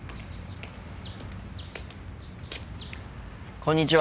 こんにちは。